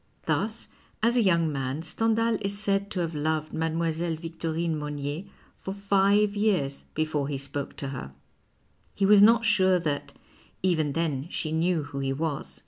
Thus, as a young man Stendhal is said to have loved Mile. Vietorine Monnier for five years before he spoke to her. He was not sure that even then she knew who he was.